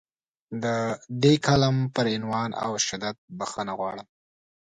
د دې کالم پر عنوان او شدت بخښنه غواړم.